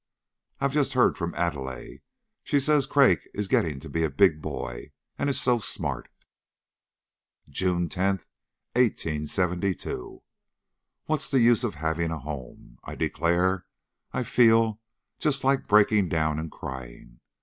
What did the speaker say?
I've just heard from Adelaide; she says Craik is getting to be a big boy, and is so smart." "JUNE 10, 1872. What's the use of having a home? I declare I feel just like breaking down and crying.